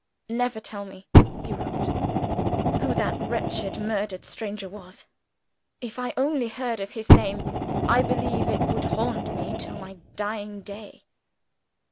'Never tell me (he wrote) who that wretched murdered stranger was, if I only heard of his name, I believe it would haunt me to my dying day.